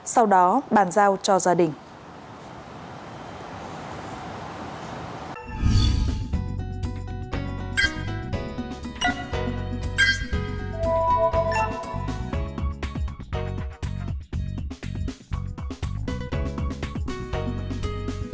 sau đó bàn giao cho gia đình